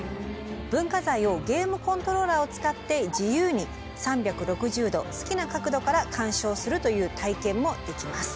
文化財をゲームコントローラーを使って自由に３６０度好きな角度から鑑賞するという体験もできます。